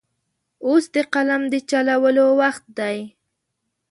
اوس د قلم د چلولو وخت دی.